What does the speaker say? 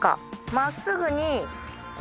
まっすぐに。